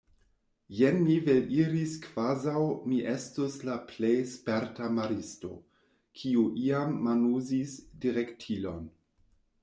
Jen mi veliris kvazaŭ mi estus la plej sperta maristo, kiu iam manuzis direktilon.